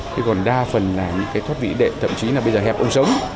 thế còn đa phần là những thuật vĩ đệ thậm chí là bây giờ hẹp ông sống